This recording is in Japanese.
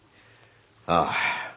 ああ。